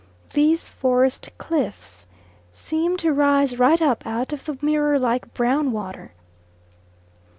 These forest cliffs seem to rise right up out of the mirror like brown water.